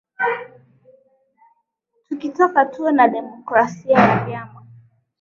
tukitaka tuwe na demokrasia ya vyama